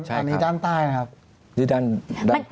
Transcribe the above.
ใช่อันนี้ด้านใต้นะครับ